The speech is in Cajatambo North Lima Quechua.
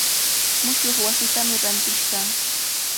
Mushuq wasitami rantishqa.